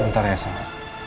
bentar ya sama